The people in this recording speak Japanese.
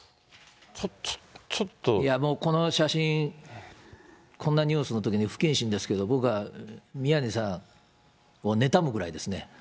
いや、もう、この写真、こんなニュースのときに不謹慎ですけど、僕は、宮根さん、ねたむぐらいですね。